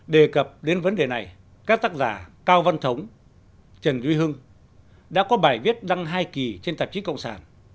đề cập đến vấn đề này các tác giả cao văn thống trần duy hưng đã có bài viết đăng hai kỳ trên tạp chí cộng sản